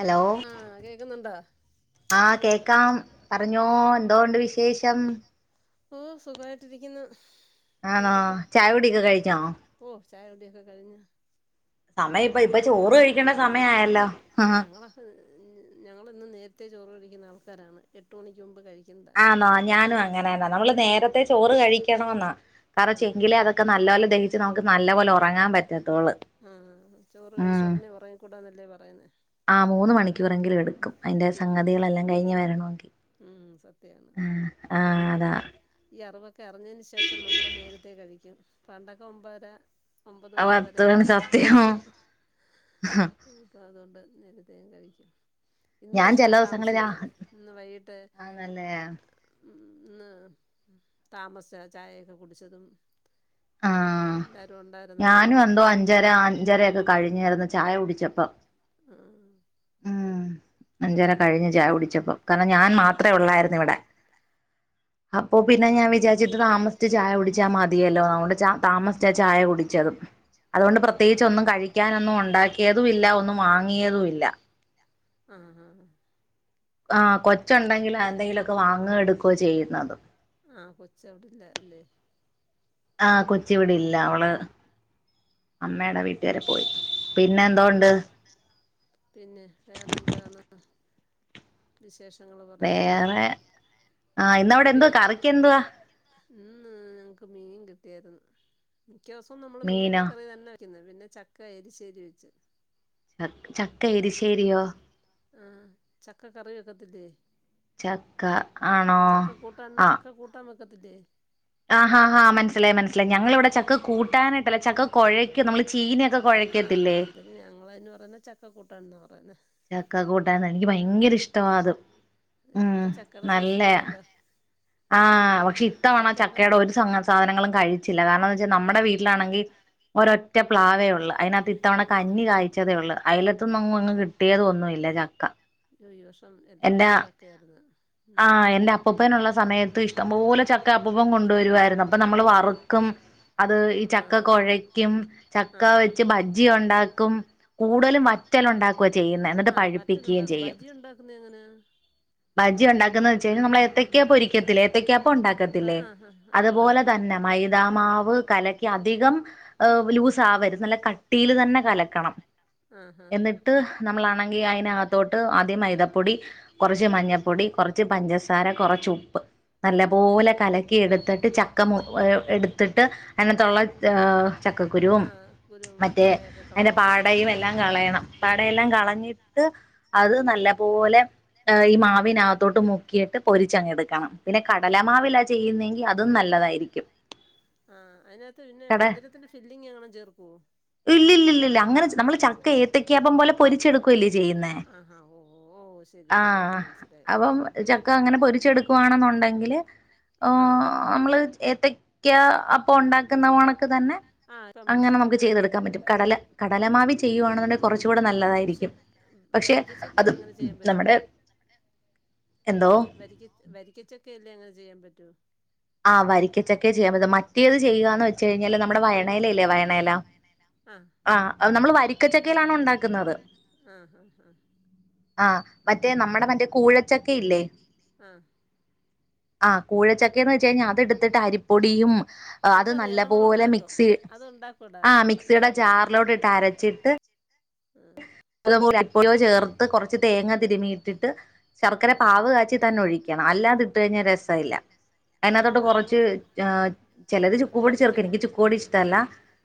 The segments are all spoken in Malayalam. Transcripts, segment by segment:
ഹലോ ആഹ് കേക്കുന്നുണ്ടോ ആഹകേക്കാം പറഞ്ഞോ തൊണ്ട് വിശേഷം ഓ സുഖായിട്ടിരിക്കുന്നു ആണോ ചായ കുടിയൊക്കെ കഴിഞ്ഞോ ചായ കുടിയൊക്കെ കഴിഞ്ഞു സമയം ഇപ്പ ഇപ്പ ചോറ് കഴിക്കേണ്ട സമയയല്ലോ ഞങ്ങള ഞങ്ങള ഇന്നും നേരത്തെേ ചോറ്ടി ന്ന ആൾക്കാരാണ് എട്ട് മണിക്ക് മുമ്പ് കഴിക്കുന്നത് ആ്ന്നോ ഞാനും അങ്ങനെന്ന നമ്മള് നേരത്തെ ചോറ് കഴിക്കണെന്നാ കാരണം ചെങ്കിലേ അതൊക്കെ നല്ല പോലെദഹിച്ച് നമുക്ക് നല്ലപോലെഓർ പറങ്ങാൻറ്റും ആഹ ചോറ് കഴിച്ച ഉടനെ ഉറങ്ങി കൂടാന്നല്ലേ പറയന്നേ റങ്കില എടുക്കും അതി്ന്റെ സംഗതികളെല്ലാം കഴിഞ്ഞ് വരണമെങ്കിൽ ഉം സത്യ ഉ ആഅതാ ഇറിഞ്ഞതിന് ശേഷം നമ്മൾ നേരത്തെേ കഴിക്കും പപണ്ടൊക്കെ മുൻപാരെ ഒമ്പത് പത്ത് മണി ഒമ്പതരായിരുന്നു സത്യം അപ്പൊ അതൊ ട്‌ നേരത്തെ ഞാൻ കഴിക്കും. ഇന്ന് ഞാൻ പക്ഷേ ചില ദിവസങ്ങളിൽ ആ താമസിക്കും ഇന്ന് വൈകി ആന്നല്ലേ? ഇന്ന് താമസിച്ചാ ചായയൊക്കെ കുടിച്ചതും. ആഹ് എല്ലാരും ഉണ്ടായിരുന്നല്ലോ ഞാനും വീട്ടിൽ എന്തോ അഞ്ചര അഞ്ചരയൊക്കെ കഴിഞ്ഞാരന്ന് ചായ കുടി ച്ചപ്പം. ഉം. അഞ്ചര കഴിഞ്ഞു ചായ കുടിച്ചപ്പം. കാരണം ഞാൻ മാത്രേ ഉള്ളായിരുന്നു ഇവടെ. അപ്പൊ പിന്നെ ആ ഞാ ഹാ ഹാ വിചാര്ച്ച്ട്ട് താമസ്ച്ച് ചായ കുടിച്ചാ മത് തിയല്ലോ ച താമസ്ച്ച ചായ കുടിച്ചതും. അതോണ്ട് പ്രത്യേകിച്ച് ആണ് ഒന്നും കഴിക്കാനൊന്നും ഒണ്ടാക്കിയ തുവില്ല. ഒന്നും വാങ്ങിയതും ഇല്ല. ആഹ് ആഹ് ആ കൊച്ചുണ്ടെങ്കില് എന്തെങ്കിലൊക്കെ വാങ്ങ എടുക്കോ ചെയ്യുന്നതും. ആഹ കൊച്ച് അവിടെല്ലാ ല്ലേ? ആ കൊച്ചിവിടെ ഇല്ല. അവള് അമ്മേ ടെ വീട്ടുകാരെ പോയി. പിന്നെ എന്തോണ്ട് പിന്നെ വേറെന്താണ്. വിശേഷ വേറെ ആഹ ഇന്നവിടെ മുടി എന്തുവാ കറിക്കെന്തുവാ? ഇന്ന് ഞങ്ങക്ക് മീൻ കിട്ടിയായ് രുന്നു. മിക്കേസവും നമ്മള് മീൻന്ന് മീനോ കറി തന്നെ വെ പിന്നെ ചക്ക എരിശേരി വെ ച് ച ചക്ക എരിശ്ശേരിയോ? ആ ചക്ക കറി വക്കത്തില്ലേ? ചക്ക ആണോ ആഹ്. ക്കത്തില്ലേ? ആഹ് ഹാഹാ മനസ്സിലായി മനസിലായി ഞങ്ങൾ ഇവിടെ ചക്ക കൂട്ടാനായിട്ട് അല്ല ചക്ക കൊഴയ്ക്ക നമ്മള് ചീന ആഹ് അതിന് ഞങ്ങൾ അതിന് പറയുന്ന ചക്ക കൂ ട്ടാൻന്ന പറയുന്നെ. ചക്ക കൂട്ടാൻന്ന് എനിക്ക് ഭയങ്കര ആഹ് ഇഷ്ടമാ അത് ഉം ഇപ്പ ചക്കയുടെ നല്ലയാ. സീസണാണല്ലോ ആഹ് പക്ഷെഇത്തവണ ചക്കയൊക്കെ ചക്കയുടെ ഒരു സങ്ങ സാധനങ്ങളും കഴിച്ചില്ല. കാരണംഎ വെച്ചാല് നമ്മ മ്മടെ വീട്ടിലാണെങ്കി ഒരൊറ്റ പ്ലാവേ ഉള്ളു. അയിനകത്ത് ഇത്തവണ കഞ്ഞി കായ്ച്ചതേ ഉള്ളൂ. അയിലത്തന്നൊങ്ങുങ്ങ് കിട്ടിയതോ ഒന്നുഇല്ല ചക്ക യോ ഈ വഷം എന്റെ എല്ലായിടവും ചക്കയാര്ന്ന് ആഹ് എന്റെ അപ്പൂപ്പനുള്ള സമയത്ത് ഇഷ്ടംപോലെ ചക് അത് ഈ ചക്ക ആഹ് കൊഴക്കും ചക്ക ആഹ് ആഹ് വെച്ച് ആഹ് ഭജ്ജിയുണ്ടാക്കും കൂടുതലും വറ്റലുണ്ടാക്കും ക്കൊവ ചെയ്യുന്നെ എന്നട്ട് ആഹ് പഴിപ്പിക്കേയും വറ്റലുണ്ടാക്കും ചെയ്യും ബജി ഉണ്ടാക്കുന്നത് എങ്ങനാ പയ് - ജി ഉണ്ടാക്കുന്നെ വെച്ചയ്ഞ നമ്മളേ ക്ക്യ പൊരിക്കത്തില്ലെ ഏത്യക്ക്യാ പ്പുണ്ടാക്കത്തില്ലേ ആഹ് ആഹ് ആഹ് ആഹ് ആഹ് അതുപോലെ തന്നെ മൈതാമാവ് വ് കലക്കി അധികം ലൂസ് ആവര് നല്ല കട്ടിയില് തന്നെ കലക്കണം ആഹ് എന്നിട്ട് നമ്മളാണെങ്കി അയിനകത്തോട്ട് ആദ്യം മൈതപ്പൊടി കൊറച്ച് മഞ്ഞപ്പൊടി കൊറച്ച് പഞ്ചസാര കൊറ ച്ചുപ്പ് നല്ല പോലെ കലക്കി എടുത്തിട്ട് ചക്ക മു എടുത്തിട്ട് അയിനെ തൊള്ള ഏഹ് ചക്കക്കുരുവും ആഹ് ആഹ് കുരു മറ്റേ പാടയൊക്കെ അയിന്റെ കളഞ്ഞിട്ട് പാടയും എല്ലാം കളയണം പാടയെല്ലാം ആഹ് കളഞ്ഞിട്ട് അത് നല്ല പോലെ ഈ മാവിനകത്തോട്ട് മുക്കിയിട്ട് പൊരി ചങ്ങെടുക്കണം പിന്നെ ഓഹ് കടലമാവില ചെയ്യുന്നതെങ്കി അതും നല്ലതായിരി രിക്കും ആഹ അയ്നകത്ത് പിന്നെ മധുരത്തിന്റെ ഫില്ലിങ് എങ്ങണം ചേർക്കോ ഇല്ലല്ലല്ലല്ല തെ ഏത്തക്കപ്പം പോലെ പൊരിച്ചെടുക്കുവല്ലേ ചെയ്യുന്നേ ആഹാ ഓ ഓ ശരി ശരി ഇപ്പൊ ആഹ് മനസിലായി ആഹഹ അപ്പം ചക്ക അങ്ങനെ പോണെന്നുണ്ടെങ്കിൽ ഓഹ് അമ്മള് ഏത്തക്ക ക്യാ അപ്പംഉണ്ടാക്കുന്ന ഉണക്ക് ക് തന്നെ ആഹ് ഇപ്പം അങ്ങനെ മനസ്സിലായി നമുക്ക് ആഹ് ചെയ്തെടുക്കാൻ ഓക്കെ പറ്റും ഓക്കെ കടല കടലമാവി ചെയ്യുവാണ്ന്ന്ണ്ടെ പക്ഷെ അത് വരിക്കചക്കെല് അങ്ങനെ ചെയ്യാൻ പറ്റോ നമ്മുടെ എന്തോ എടാ വരിക്കകേട്ടാ വരി രിക്ക ചക്കെയിൽ അങ്ങനെ ചെയ്യാൻ പറ്റോ ആഹ് വരിക്കച്ചക്കെ ചെയ്യാൻ പറ്റ മറ്റേത് ചെയ്യാന്ന് വെ ച്ചഴിഞ്ഞാല് നമ്മുടെ കുഴഞ്ഞു വയണഇല ഇല്ലേ പോവത്തില്ലേ വയണലാ ആഹ് ആ അത് നമ്മൾവയറ്റ് വിക്കച്ചക്കയിലാണോ ഉണ്ടാക്ക്ന്നത് ആഹ് ആഹ് ആഹ് ആ മറ്റേ നമ്മുടെ മറ്റേ കൂഴച്ചക്കെ ഇല്ലേ ആഹ ആഹ കൂഴച്ചക് ക്കെന്ന് വെച്ചഴിഞ്ഞാൽ അത് ഇട്ത്തിട്ട് അരിപ്പൊടിയും ആഹ് അത് അതറിയാം നമ്മൾ നല്ലപോലെ ഉണ്ടാക്കും മിക്സി അത് ഉണ്ടാക്കൂടാ ആ മിക്സിയുടെ അതറിയാം ജാറിലോട്ട് ഇട്ട് അരച്ചിട്ട് ആഹ് അതേപോലെ [unintelligible] ചേർ ത്ത് കുറച്ച് തേങ്ങ തിരുമ്മി ഇട്ടിട്ട് ശർക്കര പാവ് കാച്ചി തന്നെ ഒഴിക്കണം അല്ലാതി ഇട്ട് കഴിഞ്ഞാൽ രസമില്ല. അതിനാത്തോട്ട് ആഹ് കുറച്ച് ഞങ്ങള് ചിലര് ചുക്ക്പൊടി ചേർക്കും എനിക്ക് ഏലക്കാപ്പൊടി ചുക്ക്പൊടി ഇഷ്ടല്ല.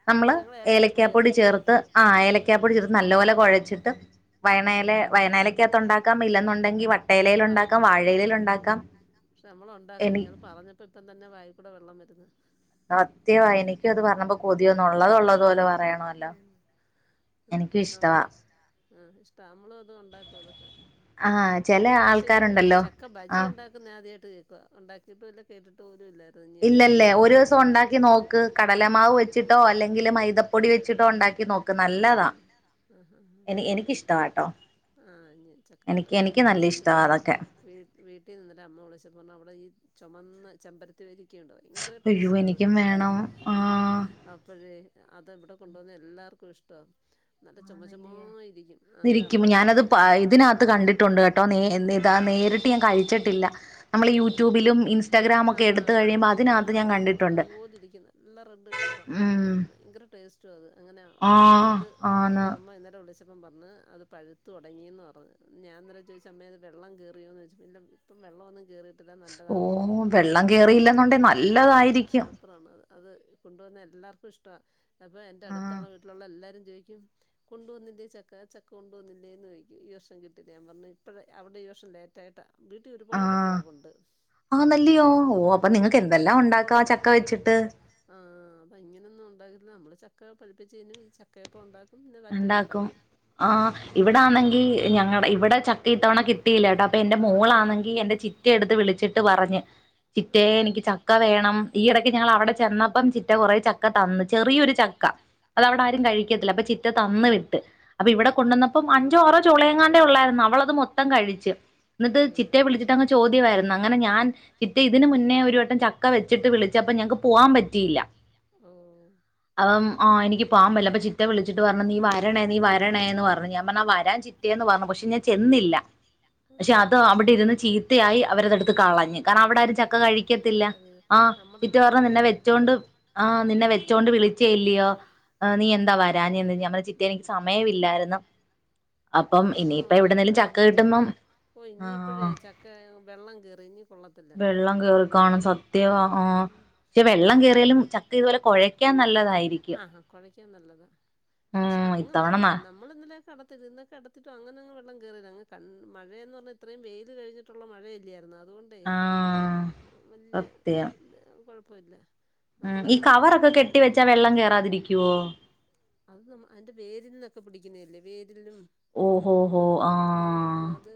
നമ്മള് ഞങ്ങൾ ഏലക്കാപ്പൊടി ചേർക്കും ചേർത്ത് ആ ഉം ഏലക്കാപ്പൊടി ചേർത്ത് ല്ലപോലെ കുഴച്ചിട്ട് വയണെല വയണേലാക്കാത്ത് ഉണ്ടാക്കാം ഇില്ലെന്നുണ്ടെങ്കി വ വാണ്ട വട്ട പക്ഷെ നമ്മള ഉണ്ടാക്കും എനി ഇയാൾ പറഞ്ഞപ്പോ ഇപ്പം തന്നെ വായിക്കൂടെ വെള്ളം വരുന്ന്. സത്യമായി എനിക്കും അത് പറഞ്ഞപ്പൊ കൊതിയോന്നുള്ളതള്ള ത് പോലെ പറയണമല്ലോ ആഹ് എനിക്കും ഇഷ്ടവാ നമ്മള് ആ ഇഷ്ടാ നമ്മള് അത് ഉണ്ടാക്കും അതൊക്കെ ആ ചില പക്ഷെ ഈ ആൾക്കാരുണ്ടല്ലോ ചക്ക ഭജി ആ ഉണ്ടാക്ക് [unintelligible] ആദ്യയ്ട്ട് കേക്കുവാ ഉണ്ടാക്കിട്ടുല്ല കേട്ട്ട്ട് ഇല്ലല്ലേ ഒരൂസം ഉണ്ടാക്കി നോക്ക് കടലമാവ് ആഹ് വെച്ച്ട്ടോ അല്ലെങ്കില് മൈദ [unintelligible] എനി എനിക്കിഷ്ടവാട്ടോ എനിക്ക് [unintelligible] എനിക്ക് എന്റെ നല്ല വീട്ട്ല് ഇഷ്ടവാ അതൊക്കെ വീട്ടിൽ നിന്ന് അമ്മ വിളിച്ചപ്പോ പർഞ് അവ്ടെ ഈ ചോമന്ന ചെമ്പരത്തി വരി ക്കെണ്ട് ഭയങ്കര അയ്യോ ടെസ്റ്റാ അത് എനിക്കും വേണം ആഹ് അപ്പയെ [unintelligible] കൊണ്ട് വന്ന് എല്ലാർ ഷ്ട്ടാ നല്ല ആണല്ലേ ചോമചോമായിരി ഇരിക്കും ഞാനത് പ ഇതിനകത്ത് കണ്ടിട്ടുണ്ട് കേട്ടോ നേ ഇതാ നേര് ഞാ കയ്ച്ച്ട്ടില്ല എടുത്ത് കഴിയുമ്പോൾ അതിനകത്ത് ഞാൻ അത്പോ കണ്ടിട്ടുണ്ട് അത്പോലെ ഇരിക്ക്ന്ന നല്ല റെഡ് കളറാ ഉം ഭയങ്കര ടേസ്റ്റുഹാ ആത് അങ്ങനെയാ ആഹ് അത് അപ്പ ആന്ന് അമ്മ ഇന്നലെ വിളിച് ൾച്ചപ്പം പറഞ് അത് പഴുത്ത് തുടങ്ങിന്ന് പർഞ് ഞാൻ ഇന്നലെ ചോയ്ച്ച് അമ്മേ അത് വെള്ളം കയറിയോന്ന് ചോയ്ച്ചപ്പം ഇല്ല ഇപ്പം വെള്ളോന്നും [unintelligible] ഓ വെള്ളം കേറിയില്ലെന്നോണ്ടേ നല്ലതായിരിക്കും സൂപ്പറാണ് അത് അത് കൊണ്ട് വന്ന എല്ലാർക്കും ഇഷ്ടാ അപ്പ എന്റെ ആഹ് അട്ത്ത്ള്ള വീട്ട്ലുള്ള എല്ലാരും ചോദിക്കും കൊണ്ടുവന്നില്ലേ ചക്ക ചക്ക കൊണ്ടുവന്നില്ലേന്ന് ചോദിക്കും ഈ വർഷം കിട്ടില്ല ഞാ പറഞ്ഞു ഇപ്പോഴ അവിടെ ഈ വർഷം ലേറ്റായിട്ടാ വീട്ടിൽ ഒരുപാട് പിലാവ് ഉണ്ട് ആഹ് അല്ലിയോ ഓ അപ്പൊ നിങ്ങക്ക് എന്തെല്ലാം ഉണ്ടാക്കാം ചക്ക വെച്ച് ട്ട് ആഹ് അപ്പ ഇങ്ങനെയൊന്നും ഉണ്ടാകില്ല നമ്മള് ചക്ക പഴിപ്പിച്ച് തിന്നും ഈ ചക്കയപ്പം ഉണ്ടാക്കും പിന്നെ ഉണ്ടാക്കും വറ്റലുണ്ടാക്കും ആ ആഹ് ഇവിടൊണെങ്കി ഞങ്ങടെ ഇവിടെ ചക്ക - ഈ തവണ കിട്ടിയില്ല കേട്ടോ എന്റെ മോളാണെങ്കിൽ എന്റെ ചിറ്റ എടുത്ത് വിളിച്ചു വച്ചിട്ട് പറഞ് ചിറ്റേ ആഹ് എനിക്ക് ചക്ക വേണം ഈയിടക് ക്ക് ഞങ്ങളവിടെ ചെന്നപ്പം ചിറ്റ കുറെ ചക്ക തന്ന് ചെറിയൊരു ചക് അതവിടെ ആഹാ ആരും കഴിക്കത്തില്ല അപ്പൊ തന്ന് വിട്ട് അപ്പൊ ഇവിടെ ആഹ് കൊണ്ടന്നപ്പം അഞ്ചോ ആറോ ചൊളയങ്ങാണ്ടേ ഒള്ളായിര്ന്നു അവള് അത് മൊത്തം കഴിച്ച് എന്നിട്ട് ചിറ്റെ അയ്യോടാ വിളിച്ചിട്ടങ്ങ് ചോദ്യവായിരുന്ന്, അങ്ങനെ ഞാൻ ചിറ്റെ ഇതിന് മുന്നേ ഒരു വട്ടം ചക്ക വെച്ചിട്ട് വിളി ചെലപ്പോ ഞങ്ങക്ക് പോവാൻ പറ്റിയില്ല ഓഹ് അം ആഹ് എനിക്ക് പോവാൻ പറ്റിയില്ല അപ്പൊ ചിറ്റ വിളി പറഞ്ഞു നീ വരണേ നീ വരണേന്ന് പറഞ്ഞു ഞാൻ പറഞ്ഞു ആഹ് വരാ ഞാൻ ചിറ്റെന്ന് പറഞ്ഞു പക്ഷെ ഞാൻ ചെ ഇന്നില്ല പക്ഷെ അത് അവിടെ ആഹ് ഇരുന്ന് ചീത്തയായി അവരതെടു കളഞ്ഞു കാരണം അവിടെ കളഞ്ഞ് ആരും ചക്ക കഴിക്കത്തില്ല കളഞ്ഞ് ആ നമ്മുടെ ചിറ്റ വീട്ടിലും പറഞ്ഞ നിന്നെ അതുപോലെ വെച്ചോണ്ട് ആ നിന്നെ ഉം വെച്ചോണ്ട് അതെ വിളിച്ചല്ലയോ നീ എന്താ നമ്മ വരാ [unintelligible] ചിറ്റെ എനിക്ക് സമയമില്ലായിരുന്നു അപ്പം നമ്മളെ വീട്ടിലും ഇനിയിപ്പ എവിടുന്നേലും ചക്ക അങ്ങനെ കിട്ടുമ്പം ഓ ഇനിയിപ്പഴേ ആ ചക്ക വെള്ളം കേറി ഇനി കൊള്ളത്തില്ല വെള്ളം മഴയായ കേറിക്കാണും സത്യവാ ആഹ് ഉം പക്ഷെ വെള്ളം കേയറിയാലും ചക്ക ഇതുപോലെ കൊഴയ്ക്കാൻ നല്ലതായിരിക്കും ആഹാ കുഴയ്ക്കാൻ നല്ലതാ ഉം ഇത്തവണ [unintelligible] അടത്തി തിന്ന് അങ്ങനെങ് വെള്ളം കയറെല്ലെ ക മഴയ പറഞ്ഞാ ഇത്രയും വെയിൽ കഴിഞ്ഞിട്ടുള്ള മഴയല്ലായിരുന്നോ അത് അതോണ്ടെ ആഹ് സത്യം [unintelligible] [unintelligible] ഉം ഈ കവറൊക്കെ കെട്ടി വെച്ചാ വെള്ളം കേറാതിരിക്കുവോ അത് അതിന്റെ വേരിൽനിന്നൊക്കെ പിടിക്കുന്നതല്ലേ വേരി ഇതിലും ഓഹോഹോ ആഹ് അത്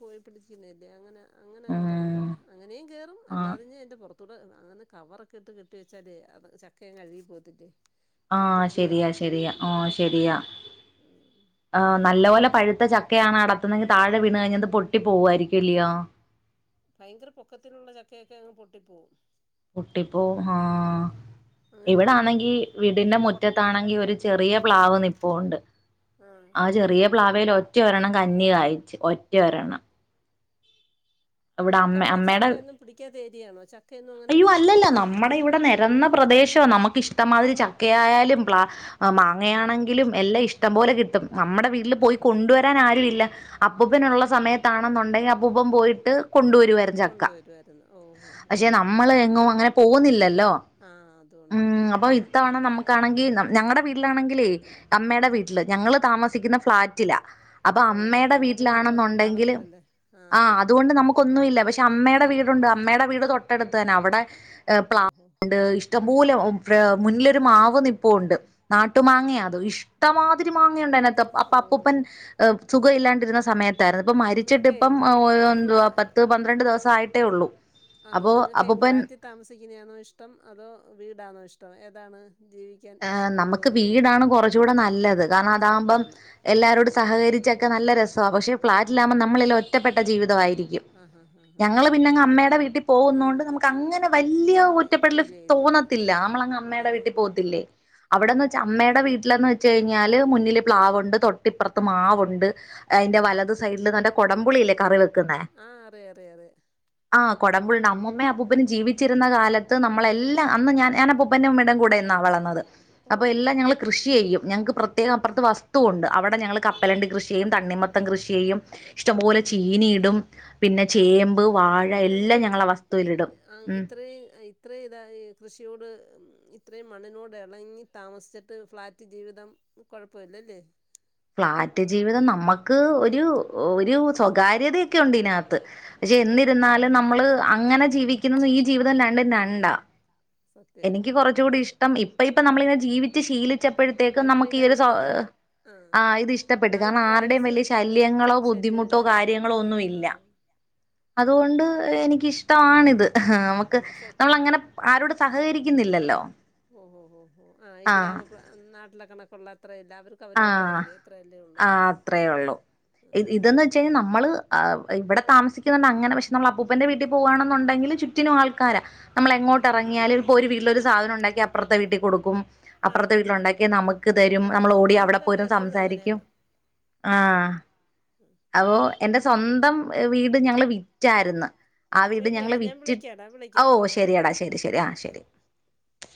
പോയി പിടിക്കുന്നില്ലേ അങ്ങനെ അങ്ങനെ കേറ്ന്താ ഉം അങ്ങനെയും കേറും ആഹ് അല്ലാതെ ഇഞ്ഞി അയിന്റെ പുറ അതൂടെ അങ്ങനെ കവറൊക്കെ ഇട്ട് കെട്ടി വെച്ചാലെ അത് ചക്കയങ്ങ് അഴുകി പോത്തില്ലേ ആഹ് ശെരിയാ ശരി ഓ ശരിയാ ഉം നല്ല പോലെ പഴുത്ത ചക്കയാണ് അടർത്തുന്നെങ്കിൽ താഴെ ടെ വീണ് കഴിഞ്ഞാൽ അത് പൊട്ടി പോവായിരിക്കുല്ലയോ ഭയങ്കര പൊക്കത്തിനുള്ള ചക്കയൊക്കെ അങ്ങ് പൊട്ടിപ്പോവും കുട്ടിപ്പോ ആ അങ്ങനെയുണ്ട് ഇവിടാണെങ്കി വീടിന്റെ കൊട്ട മുറ്റത്താണെങ്കി ഒരു ചെറിയ പ്ലാവ് നിപ്പുണ്ട് ആഹ് ആ ചെറിയ പ്ലാവേല് ഒറ്റ ഒറ്റ ഒരെണ്ണം കഞ്ഞി കായ്ച്ച് ഒറ്റ ഒരെണം. നിങ്ങക്ക് അവിടെ അമ്മേടെ ചക്കയൊന്നും പിടിക്കാത്തെ ഏരിയാണോ? ചക്കയൊന്നും അങ്ങനെ അയ്യോ അല്ലല്ല നമ്മടെ ഇവിടെ നെരന്ന പ്രദേശവാ നമുക്ക് ഇഷ്ടംമാതിരി ചക്കയായാലും പ്ല മാങ്ങയാണെങ്കിലും എല്ലാം ഇഷ്ടം പോലെ കിട്ടും. നമ്മുടെ വീട്ടിൽ ആഹ് പോയി കൊണ്ടുവര എത്താൻ ആരുമില്ല. അപ്പൂപ്പനുള്ള സമയത്താണ് വേണന്നുണ്ടെങ്കിൽ അപ്പൂപ്പൻ പോയി കൊണ്ടുവരുവായിര്ന്നു ചക്ക. കൊണ്ടുവരുമായിരുന്നു ഓ ഓ ഓ പക്ഷെ നമ്മള് എങ്ങും അങ്ങനെ പോവുന്നില്ലല് ല്ലോ ആഹ് അതുകൊണ്ടാ ഉം അപ്പം ഇത്തവണ നമ്മ കാണെങ്കിൽ ഞങ്ങടെ വീട്ടിലാണെങ്കിലേ അമ്മയിടെ വീട്ടില് ഞങ്ങള് താമസ് രിക്ക്ന്ന ഫ്ളാറ്റില അപ്പൊ ഓ അമ്മേടെ അന്നേരം പിന്നെ അവിടെ ഒന്നും വീട്ടിലാണെന്നുണ്ടെങ്കില് കാണത്തില്ലല്ലേ ആ ആഹ് അത് അതുകൊണ്ട് അതാണ് നമുകൊന്നു ഇല്ല പക്ഷെ അമ്മേ ടെ വീടുണ്ട് അമ്മേടെ വീട് തൊട്ടടുത്ത് തന്നെ അവിടെ എ ഓഹോ പ്ലാവുണ്ട് ഇഷ്ടം മൂലം അ മുന്നിലൊരു മാവ് നിപ്പുണ്ട് നാട്ടു മാങ്ങയാ ആഹ് അതോ ഇഷ്ടമാതിരി മാങ്ങയുണ്ടഅതിനത്ത് അപ്പ ഓ അപ്പൂപ്പൻ ങ് സുഖ ഇല്ലാണ്ടിരുന്ന സമയ ഇണ്ടായിരുന്നു ഇപ്പ മരിച്ചിട്ട് ഇപ്പം ഒ ന്ന് ള ആ അപ്പോ നിങ്ങൾക്ക് അപ്പൂപ്പൻ ഫ്ലാറ്റിൽ താമസിക്കുന്നതാണോ ഇഷ്ടം അതോ വീടാണോ ഇഷ്ടം ഏതാണ്? ജീവിക്കാൻ അ സുഖം നമക്ക് തോന്നുന്നത് വീടാണ് കുറച്ചുടെ നല്ലത് കാരണം അതാകുമ്പം സത്യാണ് എല്ലാരോടും ഉം സഹകരിച്ചൊക്കെ നല്ല രസ സോ പക്ഷേ ഫ്ലാറ്റിലാവുമ്പോൾ നമ്മള് ഒറ്റപ്പെട്ട ജീവിതമായി ഇരിക്കും ആഹ് ആഹ് ആഹ് ആഹ് ഞങ്ങള് പിന്നെ അമ്മേടെ വീട്ടിൽ പോവുന്നോണ്ട് നമുക്ക് അങ്ങനെ വല്ല്യ അത്ര ഫീ ഒറ്റപ്പെടൽ ഫീൽ ചെയ്യത്തില്ല തോന്നത്തില്ല നമ്മളങ്ങ് അമ്മടെ ആഹ് വീട്ടിൽ പോവത്തില്ലേ ഓ അവിടെന്ന് അമ്മേടെ വീട്ടിലന്ന് ന്ന് വെച്ച് കഴിഞ്ഞാല് മുന്നില് പ്ലാവുണ്ട് തൊട്ടിപ്പുറത്ത് മാവുണ്ട് അയിന്റെ വലത് സൈഡില് [unintelligible] കുടമ്പുളില്ലേ കറിവ ആ അറിയാറിയറിയാം. കുടമ്പുളിണ്ട് അമ്മുമ്മേം അപ്പൂപ്പനും ജീവിച്ചിരുന്ന കാലത്ത് നമ്മളെല്ലാം അന്ന് ഞാൻ ഞാൻ അപ്പൂപ്പന്റേം അമ്മുമ്മേടേം കൂടെനിന്നാ വളർന്നത്. ഓ അപ്പൊ എല്ലാം ഞങ്ങള് കൃഷി ചെയ്യും. ഞങ്ങക്ക് പ്രത്യേകം അപ്പുറത്ത് വസ്തു ഒണ്ട്. അവടെ ഞങ്ങള് ആഹ് കപ്പലണ്ടി കൃഷി ചെയ്യും തണ്ണിമ ത്തൻ കൃഷി ചെയ്യും. ഇഷ്ടംപോലെ ആഹാ ചീനിയിടും പിന്നെ ആഹാ ചേമ്പ് വാഴ എല്ലാം ഇതെന്താ ഞങ്ങളാ ഇത് വസ്തുവിലിടും ഉം ഇത്രേം ഇത്രേ ഇതായി കൃഷിയോട് ഇത്രേം മണ്ണിനോട് എണങ്ങി താമസിച്ചിട്ട് ഫ്ളാറ്റ് ജീവിതം കൊഴപ്പവില്ലല്ലേ? ഫ്ളാറ്റ് ജീവിതം നമ്മക്ക് ഒരു ഒരു സ്വകാര്യതൊക്കെയുണ്ട് ഇതിനാത്ത്. പക്ഷെ ആഹാ എന്നിരുന്നാലും നമ്മള് അങ്ങനെ ജീവിക്കുന്നതും ഈ ജീവിതോം രണ്ട് രണ്ടാ. സത്യ എനിക്ക് കുറച്ച് കൂടി ഇഷ് ടം ഇപ്പ ഇപ്പ നമ്മളിങ്ങനെ ജീവിച്ച് ശീലിച് ച്ചപ്പഴത്തേക്കും അപ്പൊ നമ്മക്ക് ഈ ഇതങ്ങ് ഒരു സൗ ഇഷ്ടപ്പെട്ട് ആ ഇത് ഇഷ്ടപ്പെട്ട്. ആ ഒരു കാരണം ആരുടേം പ്രൈവസി വല്ല്യ ഒരു ശല്യങ്ങളോ ബുദ്ധിമുട്ടോ ശല്യമില്ല കാര്യങ്ങളോ ഒന്നും ആ ഇല്ല അതുകൊണ്ട് ഉം എനിക്കിഷ്ടവാണിത്. ഹാ ആ നമ്മക്ക് സെക്ക് നമ്മളങ്ങനെ ആരോടും സഹകരിക്കുന്നില്ലല്ലോ. ഓഹോ ഹോ ഹോ ആഹ് ഈ ഗ്രാമപ നാ നടക്കണ കൊള്ള ആഹ് ആഹ് അത്രേയൊള്ളൂ ഉം ഇതന്ന് വെച്ചു കഴിഞ്ഞാ നമ്മള് ആഹ് ഇവിടെ താമസിക്കുന്നോണ്ടങ്ങനെ പക്ഷെ നമ്മളപ്പൂപ്പന്റെ വീട്ടി പോവ്വാണന്നൊണ്ടെങ്കില് ചുറ്റിനും ആൾക്കാരാ. ആ നമ്മളെങ്ങോട്ടെറങ്ങിയാലും ഇപ്പോ ഒരു വീട്ടിലൊരു സാധനം ഒണ്ടാക്കിയാ അപ്പറത്തെ വീട്ടി കൊടുക്കും. ആ അപ്പറത്തെ ആ ആ വീട്ടിലൊണ്ടാക്കിയാ നമ്മക്ക് തരും ആ നമ്മളോ നമ്മുടെക്കൊക്കെ അവിടപോയിരുന്നു എപ്പോഴും സംസാരിക്കും അങ്ങനെയാണ് ആഹ് അപോ എന്റെ സ്വന്തം വീട് ഞങ്ങള് വിറ്റാരുന്ന്. ആ വീട് ഞങ്ങള് ശരിയെടാ ഞാൻ വിറ്റു വിളിക്കാടാ ഓ വിളിക്കാം ഓക്കെ ഓക്കെ ശരിയടാ ശരി ശരി ആ ശരി.